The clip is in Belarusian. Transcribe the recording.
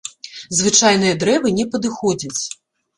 Звычайныя дрэвы не падыходзяць.